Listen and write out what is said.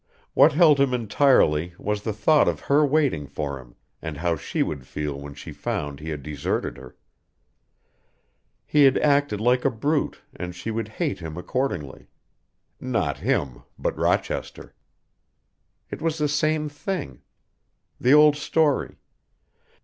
What held him entirely was the thought of her waiting for him and how she would feel when she found he had deserted her. He had acted like a brute and she would hate him accordingly. Not him, but Rochester. It was the same thing. The old story.